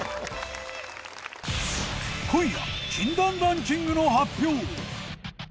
今夜禁断ランキングの発表。